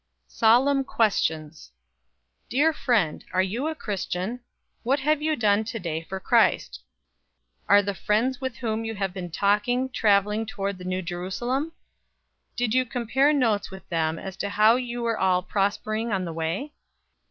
SOLEMN QUESTIONS. "Dear Friend: Are you a Christian? What have you done to day for Christ? Are the friends with whom you have been talking traveling toward the New Jerusalem? Did you compare notes with them as to how you were all prospering on the way?